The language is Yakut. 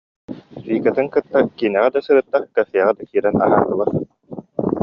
Викатын кытта киинэҕэ да сырытта, кафеҕа да киирэн аһаатылар